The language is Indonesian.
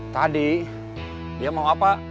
tadi dia mau apa